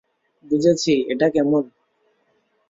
বুঝেছি, এটা কেমন?